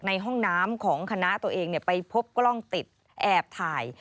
ในห้องน้ำของคณะตัวเองไปพบกล้องติดแอบถ่าย